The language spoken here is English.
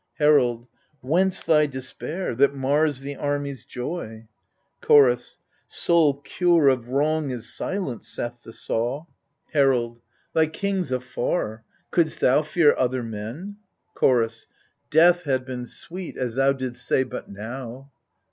Herald Whence thy despair, that mars the army's joy ? Chorus Sole cure 0/ wrong is silence^ saith the saw. 26 AGAMEMNON Herald Thy kings afar, couldst thou fear other men ? Chorus Death had been sweet, as thou didst say but now.